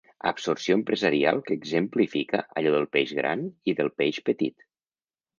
Absorció empresarial que exemplifica allò del peix gran i del peix petit.